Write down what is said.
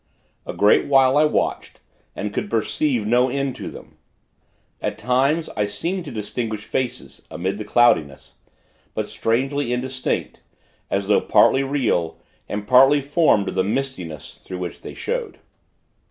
A great while, I watched, and could perceive no end to them. At times, I seemed to distinguish faces, amid the cloudiness; but strangely indistinct, as though partly real, and partly formed of the mistiness through which they showed.